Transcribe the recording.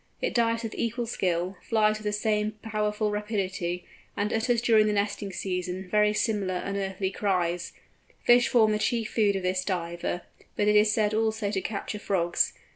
It dives with equal skill, flies with the same powerful rapidity, and utters during the nesting season very similar unearthly cries. Fish form the chief food of this Diver, but it is said also to capture frogs.